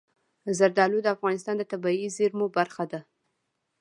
زردالو د افغانستان د طبیعي زیرمو برخه ده.